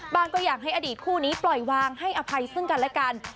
ก็อยากให้อดีตคู่นี้ปล่อยวางให้อภัยซึ่งกันและกัน